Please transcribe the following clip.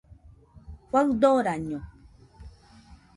Faɨdoraño